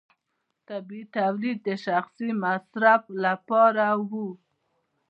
طبیعي تولید د شخصي مصرف لپاره و.